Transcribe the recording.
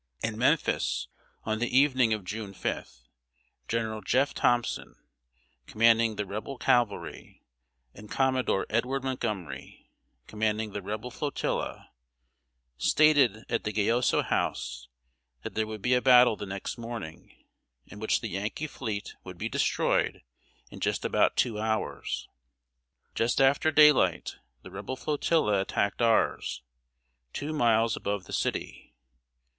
In Memphis, on the evening of June 5th, General Jeff. Thompson, commanding the Rebel cavalry, and Commodore Edward Montgomery, commanding the Rebel flotilla, stated at the Gayoso House that there would be a battle the next morning, in which the Yankee fleet would be destroyed in just about two hours. Just after daylight, the Rebel flotilla attacked ours, two miles above the city.